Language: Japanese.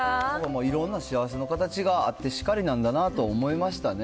もういろんな幸せの形があってしかりなんだなと思いましたね。